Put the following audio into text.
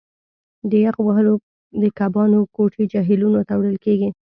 د یخ وهلو د کبانو کوټې جهیلونو ته وړل کیږي